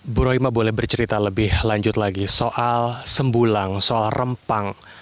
bu rohima boleh bercerita lebih lanjut lagi soal sembulang soal rempang